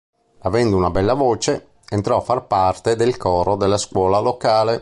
Avendo una bella voce, entrò a far parte del coro della scuola locale.